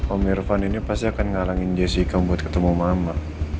om irvan ini pasti akan ngalangin jessica buat ketemu mama